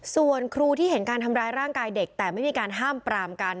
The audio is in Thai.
ส่วนครูที่เห็นการทำร้ายร่างกายเด็กแต่ไม่มีการห้ามปรามกัน